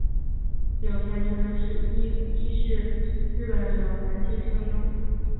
柳田淳一是日本的男性声优。